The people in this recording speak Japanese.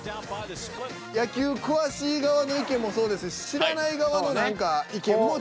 野球詳しい側の意見もそうですし知らない側の何か意見もちょっと。